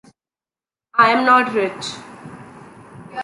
I’m not rich.